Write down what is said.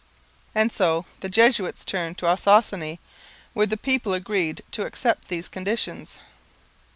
And so the Jesuits turned to Ossossane, where the people agreed to accept these conditions.